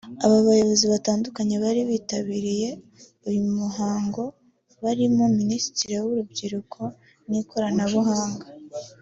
Abayobozi batandukanye bari bitabiriye uyu muhango barimo Minisitiri w’Urubyiruko n’Ikoranabuhanga